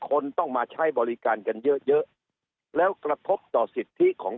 คนต้องมาใช้บริการกันเยอะเยอะแล้วกระทบต่อสิทธิของ